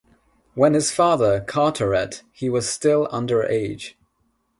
When his father Carteret, he was still under age.